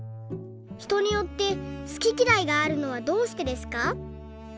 ひとによって好ききらいがあるのはどうしてですか？」。